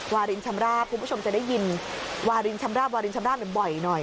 วารินชำราบคุณผู้ชมจะได้ยินวารินชำราบวารินชำราบบ่อยหน่อย